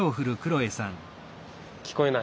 聞こえない？